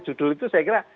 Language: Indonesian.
judul itu saya kira